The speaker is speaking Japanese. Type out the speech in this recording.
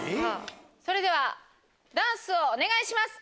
それではダンスをお願いします